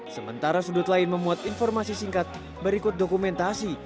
sementara sudut lain memuat informasi singkat berikut dokumentasi